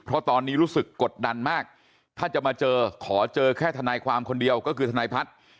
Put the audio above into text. เพราะตอนนี้รู้สึกกดดันมากถ้าจะมาเจอขอเจอแค่ทนายความคนเดียวก็คือทนายพัฒน์